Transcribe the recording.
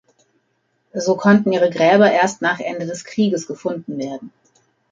So konnten ihre Gräber erst nach Ende des Krieges gefunden werden.